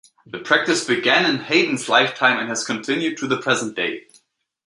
The practice began in Haydn's lifetime and has continued to the present day.